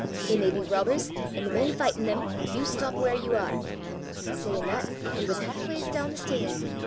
They may be robbers, and the men fighting them. You stop where you are.' Sayin' that, he was half ways doon the stair.